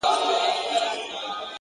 لوړ فکر محدودیتونه کمزوري کوي!